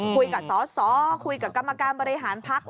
คุยกับสอสอคุยกับกรรมการบริหารพัก